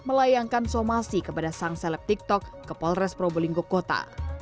melayangkan somasi kepada sang seleb tiktok ke polres probolinggo kota